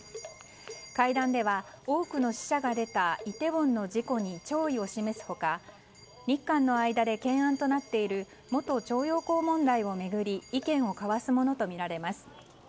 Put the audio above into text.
会談では多くの死者が出たイテウォンの事故に弔意を示す他日韓の間で懸案となっている元徴用工問題を巡り意見を交わすものとみられます。